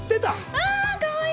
あかわいい！